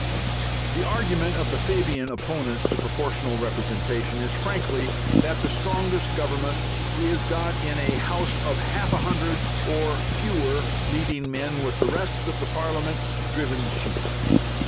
The argument of the Fabian opponents to Proportional Representation is frankly that the strongest Government is got in a House of half a hundred or fewer leading men, with the rest of the Parliament driven sheep.